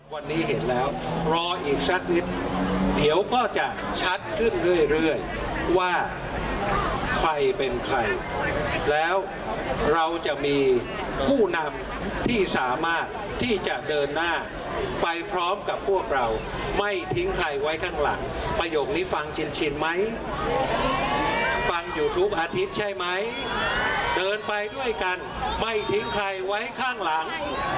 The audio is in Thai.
วันนี้เห็นแล้วรออีกสักนิดเดี๋ยวก็จะชัดขึ้นเรื่อยว่าใครเป็นใครแล้วเราจะมีผู้นำที่สามารถที่จะเดินหน้าไปพร้อมกับพวกเราไม่ทิ้งใครไว้ข้างหลังประโยคนี้ฟังเชียนไหมฟังอยู่ทุกอาทิตย์ใช่ไหมเดินไปด้วยกันไม่ทิ้งใครไว้ข้างหลัง